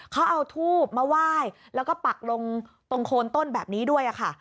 เขาเอาทูบมาไหว้แล้วก็ปักลงตรงโคนต้นแบบนี้ด้วยค่ะ